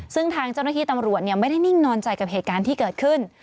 ซึ่งทางเจ้าหน้าที่ตำรวจไม่ได้นิ่งนอนใจกับเหตุการณ์ที่เกิดขึ้น